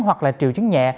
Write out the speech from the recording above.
hoặc là triệu chứng nhẹ